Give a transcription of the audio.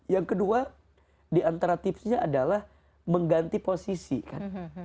yang kedua diantara tipsnya adalah mengganti posisi kan